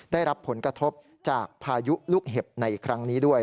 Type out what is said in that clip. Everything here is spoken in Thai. ได้รับผลกระทบจากพายุลูกเห็บในครั้งนี้ด้วย